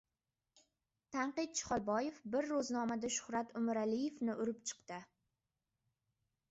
Tanqidchi Xolboyev bir ro‘znomada Shuhrat Umiraliyevni urib chiqdi.